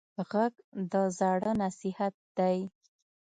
غږ د زاړه نصیحت دی